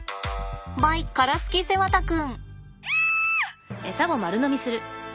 バイカラスキセワタ君。